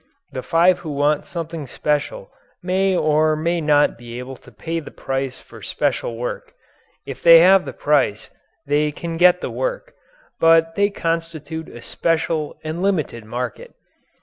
The five who want something special may or may not be able to pay the price for special work. If they have the price, they can get the work, but they constitute a special and limited market.